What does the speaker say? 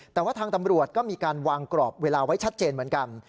แต่ว่าทางตำรวจก็มีการวางกรอบเวลาไว้ชัดเจนเหมือนกัน